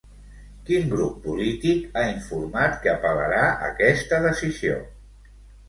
Quin grup polític ha informat que apel·larà aquesta decisió?